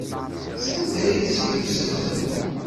Sanda ay tt-yuzen?